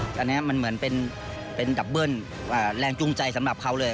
ตอนนี้มันเหมือนเป็นดับเบิ้ลแรงจูงใจสำหรับเขาเลย